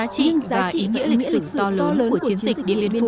bảy mươi năm đã đi qua nhưng giá trị và ý nghĩa lịch sử to lớn của chiến dịch điện biên phủ